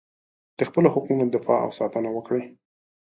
د خپلو حقونو دفاع او ساتنه وکړئ.